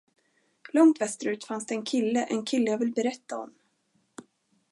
Långt västerut fanns det en kille, en kille jag vill berätta om.